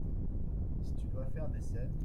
Si tu dois faire des scènes…